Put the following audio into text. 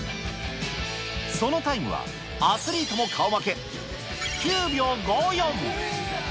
そのタイムはアスリートも顔負け、９秒５４。